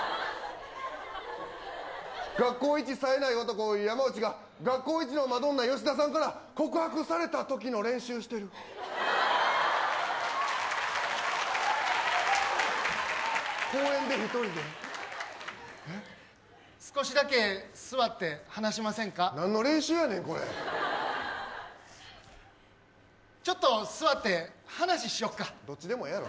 学校一さえない男山内が学校一のマドンナ吉田さんから告白されたときの練習してる公園で一人でえっ少しだけ座って話しませんかなんの練習やねんこれちょっと座って話しよっかどっちでもええやろ